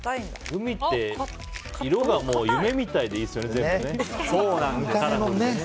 グミって、色が夢みたいでいいですよね、全部。